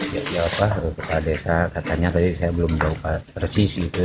ya siapa kepala desa katanya tadi saya belum tahu persis gitu